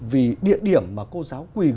vì địa điểm mà cô giáo quỳ gối